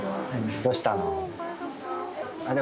どうしたの？